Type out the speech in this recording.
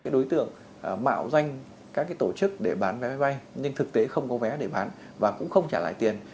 đối tượng mạo danh các tổ chức để bán vé bay nhưng thực tế không có vé để bán và cũng không trả lại tiền